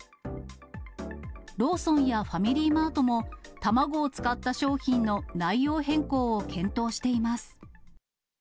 ローソンやファミリーマートも、卵を使った商品の内容変更を検討しています。